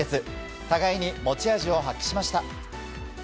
互いに持ち味を発揮しました。